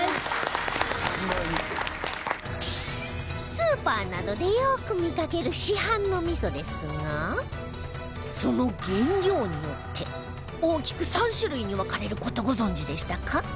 スーパーなどでよく見かける市販の味噌ですがその原料によって大きく３種類に分かれる事をご存じでしたか？